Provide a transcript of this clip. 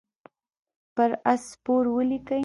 پر آس سپور ولیکئ.